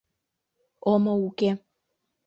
Омо уке.